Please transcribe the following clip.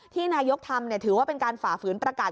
ที่นายกทำถือว่าเป็นการฝ่าฝืนประกาศ